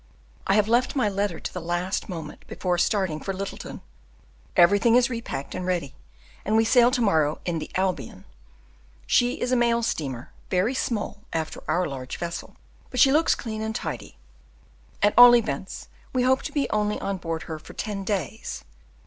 I have left my letter to the last moment before starting for Lyttleton; everything is re packed and ready, and we sail to morrow morning in the Albion. She is a mail steamer very small after our large vessel, but she looks clean and tidy; at all events, we hope to be only on board her for ten days.